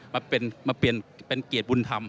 มาเปลี่ยนเป็นเกียรติบุญธรรม